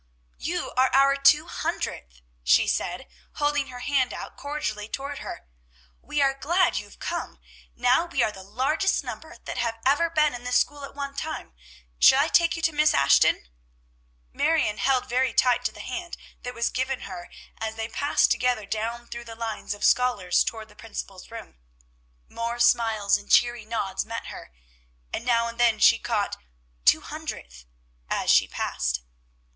"You are our two hundredth!" she said, holding her hand out cordially toward her. "We are glad you have come! Now we are the largest number that have ever been in this school at one time. Shall I take you to Miss Ashton?" Marion held very tight to the hand that was given her as they passed together down through the lines of scholars toward the principal's room. More smiles and cheery nods met her, and now and then she caught "two hundredth" as she passed.